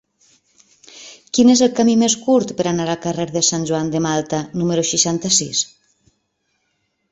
Quin és el camí més curt per anar al carrer de Sant Joan de Malta número seixanta-sis?